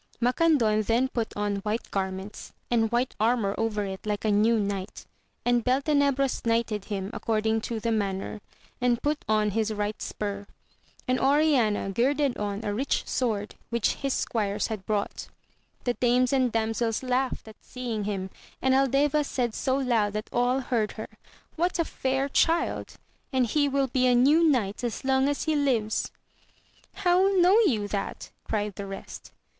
Macandon then put on white garments, and white armour over it like a new knight, and Beltenebros knighted him according to the manner, and put on his right spur, and Oriana girded on a rich sword which his squires had brought The dames and damsels laughed at seeing him, and Aldeya said so loud that all heard her. What a fair child i and he will be a new knight as long as he lives 1 How know you that 1 cried the rest.